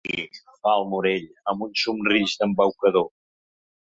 Tingui —fa el Morell, amb un somrís d'embaucador.